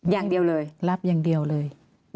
อย่างเดียวเลยรับอย่างเดียวเลยอย่างเดียวเลย